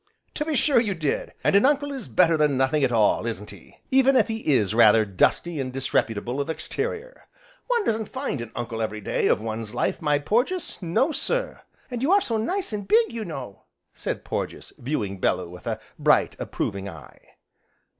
"To be sure you did, and an uncle is better than nothing at all, isn't he, even if he is rather dusty and disreputable of exterior. One doesn't find an uncle every day of one's life, my Porges, no sir!" "An' you are so nice an' big, you know!" said Porges, viewing Bellew with a bright, approving eye.